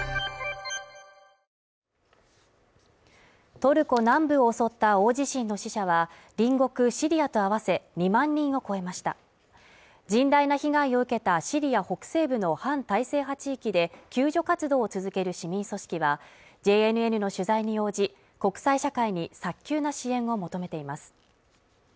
トルコ南部を襲った大地震の死者は隣国シリアと合わせ２万人を超えました甚大な被害を受けたシリア北西部の反体制派地域で救助活動を続ける市民組織はＪＮＮの取材に応じ国際社会に早急な支援を求めています